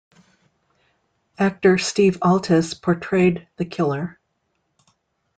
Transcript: Actor Steve Altes portrayed the killer.